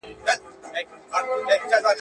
ماشوم په ډېرې بې صبرۍ سره د انا ځواب ته انتظار و.